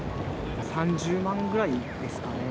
３０万くらいですかね。